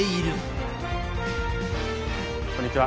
こんにちは。